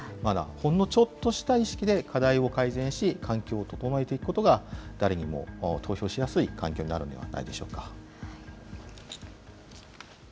ほんのちょっとした意識で課題を改善し、環境を整えていくことが、誰にも投票しやすい環境になるのではないでしょうか。